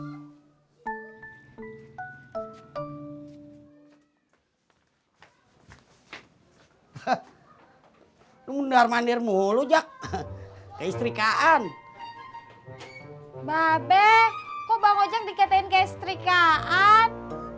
hai hehehe hai benar benar mulu jack keistrikan mabe coba ngajak dikatain keistrikan